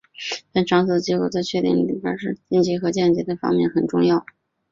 本场所的结果在确定力士的晋升和降级方面很重要。